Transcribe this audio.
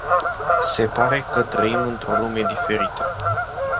Se pare că trăim într-o lume diferită.